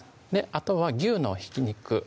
あとは牛のひき肉